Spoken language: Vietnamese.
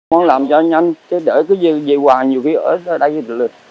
không làm cho nhanh chứ để cứ về hoài nhiều khi ở đây là được